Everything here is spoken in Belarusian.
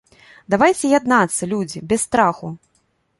Давайце яднацца, людзі, без страху!